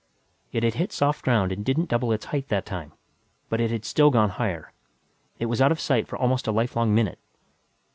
It had hit soft ground and didn't double its height that time, but it had still gone higher. It was out of sight for almost a lifelong minute.